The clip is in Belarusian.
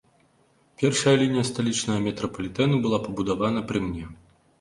Першая лінія сталічнага метрапалітэну была пабудавана пры мне.